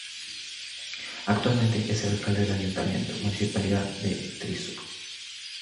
Actualmente es el alcalde del Ayuntamiento Municipal de Thrissur.